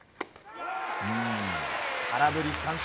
空振り三振。